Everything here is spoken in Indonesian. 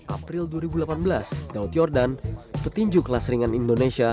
april dua ribu delapan belas daud yordan petinju kelas ringan indonesia